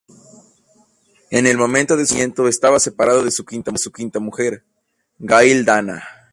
En el momento de su fallecimiento estaba separado de su quinta mujer, Gail Dana.